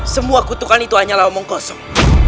semua kutukan itu hanyalah omong kosong